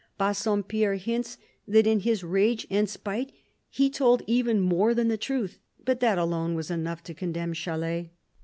Bassompierre hints that in his rage and spite he told even more than the truth ; but that alone was enough to condemn Chalais.